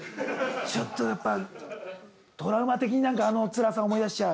ちょっとやっぱトラウマ的になんかあのつらさを思い出しちゃう？